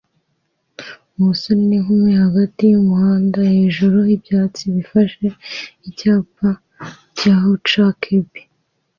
Umusore n'inkumi hagati yumuhanda hejuru yibyatsi bifashe icyapa cya Huckabee